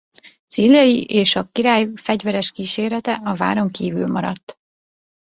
Cillei és a király fegyveres kísérete a váron kívül maradt.